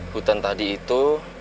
hutan tadi itu